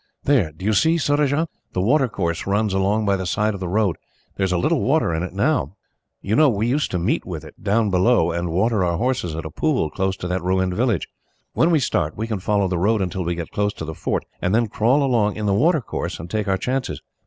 "There! Do you see, Surajah? The water course runs along by the side of the road. There is a little water in it now. You know we used to meet with it, down below, and water our horses at a pool close to that ruined village. When we start, we can follow the road until we get close to the fort, and then crawl along in the water course, and take our chances.